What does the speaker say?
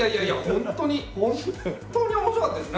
本当に本当に面白かったです。